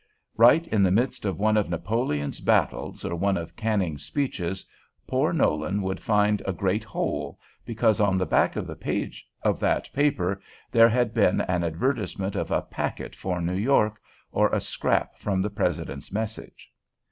Right in the midst of one of Napoleon's battles, or one of Canning's speeches, poor Nolan would find a great hole, because on the back of the page of that paper there had been an advertisement of a packet for New York, or a scrap from the President's message.